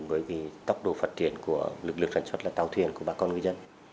với tốc độ phát triển của lực lượng sản xuất là tàu thuyền của bà con ngư dân